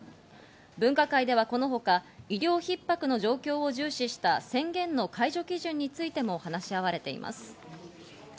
分科会ではこのほか医療逼迫の状況を重視した宣言の解除基準についても話し合われています。